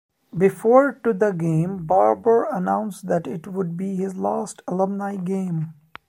Before to the game Barber announced that it would be his last alumni game.